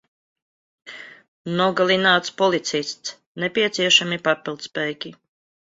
Nogalināts policists. Nepieciešami papildspēki.